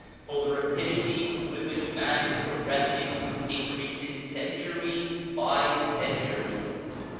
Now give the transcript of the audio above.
For the rapidity with which man is progressing increases century by century.